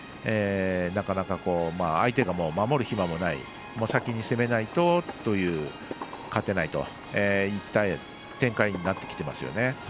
なかなか、相手が守る暇もない先に攻めないと勝てないといった展開になってきてますね。